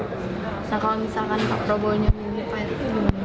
nah kalau misalkan pak pro bonjo ini pak erick itu gimana